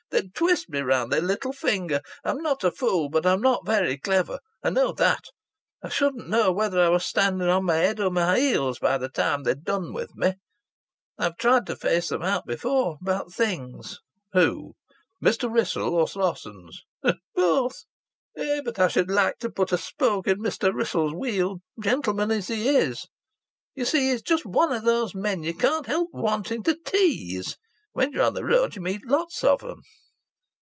They'd twist me round their little finger. I'm not a fool, but I'm not very clever I know that. I shouldn't know whether I was standing on my head or my heels by the time they'd done with me. I've tried to face them out before about things." "Who Mr. Wrissell, or Slossons?" "Both? Eh, but I should like to put a spoke in Mr. Wrissell's wheel gentleman as he is. You see he's just one of those men you can't help wanting to tease. When you're on the road you meet lots of 'em."